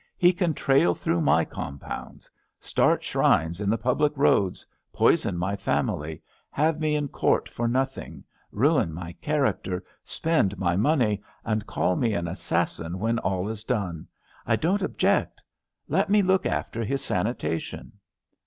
He can trail through my compounds; sftart shrines in the public roads; poison my family; have me in court for nothing; ruin my character; spend my money, and call me an assassin when all is done. I don't object. Let me look after his sanitation."